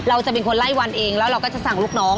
เราจะเป็นคนไล่วันเองแล้วเราก็จะสั่งลูกน้อง